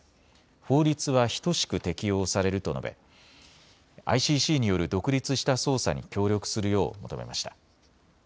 法律はひとしく適用されると述べ、ＩＣＣによる独立した捜査に協力するよう求めました。